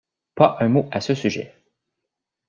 Pas un mot à ce sujet.